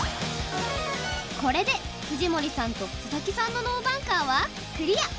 これで藤森さんと佐々木さんのノーバンカーはクリア。